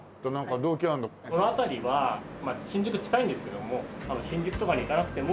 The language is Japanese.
この辺りはまあ新宿近いんですけども新宿とかに行かなくても。